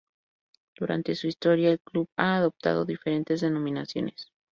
Durante su historia el club ha adoptado diferentes denominaciones.